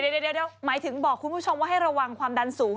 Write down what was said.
เดี๋ยวหมายถึงบอกคุณผู้ชมว่าให้ระวังความดันสูง